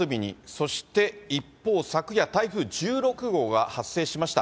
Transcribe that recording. そして、一方、昨夜、台風１６号が発生しました。